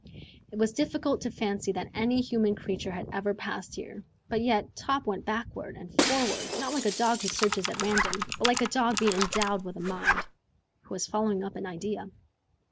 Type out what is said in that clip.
It was difficult to fancy that any human creature had ever passed there, but yet Top went backward and forward, not like a dog who searches at random, but like a dog being endowed with a mind, who is following up an idea.